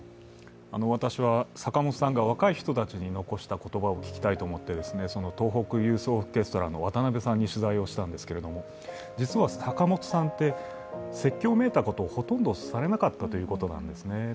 私は坂本さんが若い人たちに残した言葉を聞きたいと思って東北ユースオーケストラの渡邉さんに取材をしたんですが、実は坂本さんって、説教めいたことをほとんどされなかったそうです。